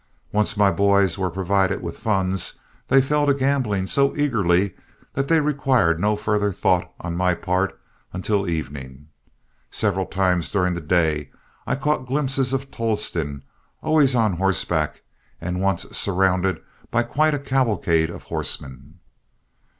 Once my boys were provided with funds, they fell to gambling so eagerly that they required no further thought on my part until evening. Several times during the day I caught glimpses of Tolleston, always on horseback, and once surrounded by quite a cavalcade of horsemen.